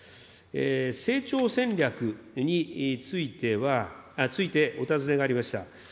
成長戦略について、お尋ねがありました。